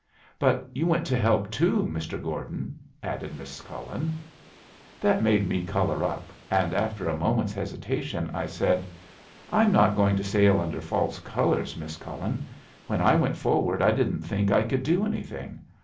"But you went to help too, Mr. Gordon," added Miss Cullen. That made me color up, and, after a moment's hesitation, I said, "I'm not going to sail under false colors, Miss Cullen. When I went forward I didn't think I could do anything.